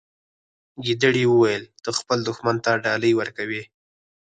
ګیدړې وویل چې ته خپل دښمن ته ډالۍ ورکوي.